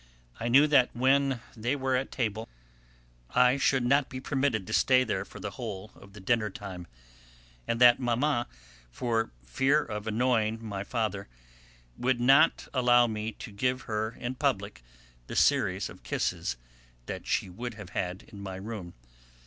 I knew that when they were at table I should not be permitted to stay there for the whole of dinner time, and that Mamma, for fear of annoying my father, would not allow me to give her in public the series of kisses that she would have had in my room.